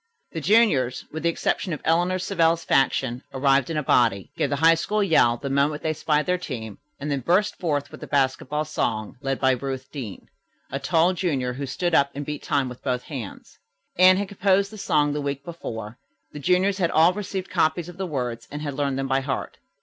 The juniors, with the exception of Eleanor Savell's faction, arrived in a body, gave the High School yell the moment they spied their team, and then burst forth with the basketball song, led by Ruth Deane, a tall junior, who stood up and beat time with both hands. Anne had composed the song the week before. The juniors had all received copies of the words and had learned them by heart.